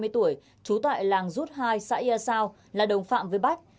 hai mươi tuổi trú tại làng rút hai xã ia sao là đồng phạm với bách